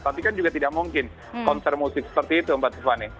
tapi kan juga tidak mungkin konser musik seperti itu mbak tiffany